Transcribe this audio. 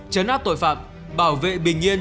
chấn áp tội phạm bảo vệ bình yên